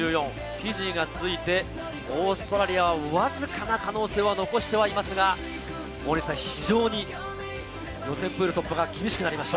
フィジーが続いて、オーストラリアはわずかな可能性は残してはいますが、非常に予選プール突破が厳しくなりました。